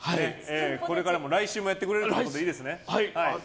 これからも来週もやってくれるということでいいですね。